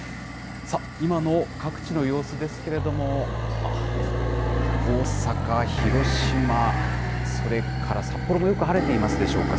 今の各地の様子ですけれども、ああ、大阪、広島、それから札幌もよく晴れていますでしょうか。